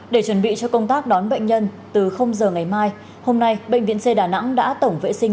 để chuẩn bị cho công tác đón bệnh nhân từ giờ ngày mai hôm nay bệnh viện c đà nẵng đã tổng vệ sinh